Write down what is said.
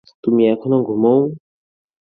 তুমি এখন ঘুমোও।